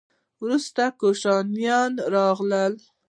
وروسته کوشانیان راغلل